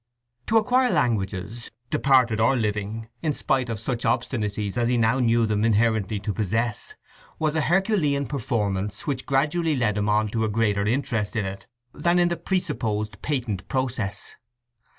To acquire languages, departed or living in spite of such obstinacies as he now knew them inherently to possess, was a herculean performance which gradually led him on to a greater interest in it than in the presupposed patent process.